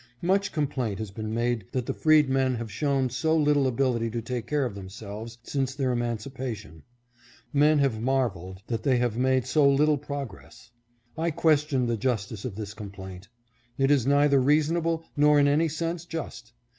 Much complaint has been made that the freedmen have shown so little ability to take care of themselves since their emancipation. Men have marvelled that they have made so little progress. I question the justice of this complaint. It is neither reasonable, nor in any sense just.